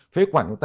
phế khoảng của ta